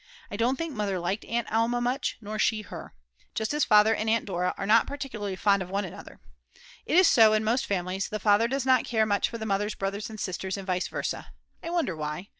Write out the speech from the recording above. I don't think Mother liked Aunt Alma much, nor she her. Just as Father and Aunt Dora are not particularly fond of one another. It is so in most families, the father does not care much for the mother's brothers and sisters and vice versa. I wonder why?